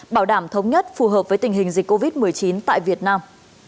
bảo đảm thống nhất phù hợp với tình hình dịch covid một mươi chín tại việt nam